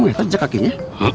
itu jejak kakinya